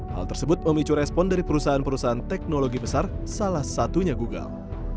hal tersebut memicu respon dari perusahaan perusahaan teknologi besar salah satunya google